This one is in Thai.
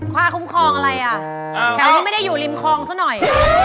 ค่าคุ้มครองอะไรอ่ะแถวนี้ไม่ได้อยู่ริมคลองซะหน่อย